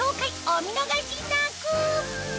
お見逃しなく！